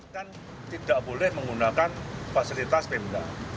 kan tidak boleh menggunakan fasilitas pemda